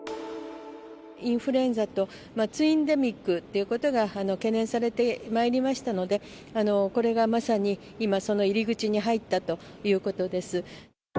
インフルエンザとツインデミックということが懸念されてまいりましたので、これがまさに今、その入り口に入ったということです。